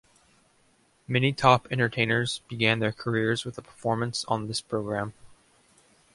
Many top entertainers began their careers with a performance on this programme.